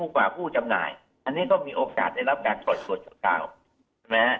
กว่าผู้จำนายอันนี้ก็มีโอกาสได้รับการถอดกฎจุดเก่า